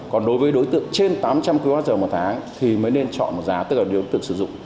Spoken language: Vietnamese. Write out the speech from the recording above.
còn đối với đối tượng trên tám trăm linh kwh một tháng thì mới nên chọn giá tức là đối tượng sử dụng